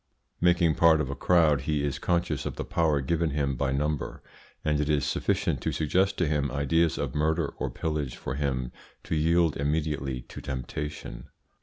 Making part of a crowd, he is conscious of the power given him by number, and it is sufficient to suggest to him ideas of murder or pillage for him to yield immediately to temptation.